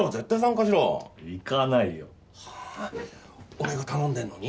俺が頼んでるのに？